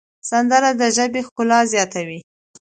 سندره د ژبې ښکلا زیاتوي